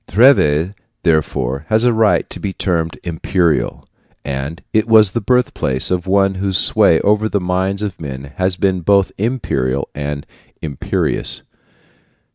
Treves, therefore, has a right to be termed imperial, and it was the birthplace of one whose sway over the minds of men has been both imperial and imperious.